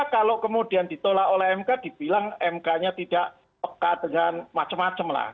kalau kemudian ditolak oleh mk dibilang mk nya tidak pekat dengan macam macam lah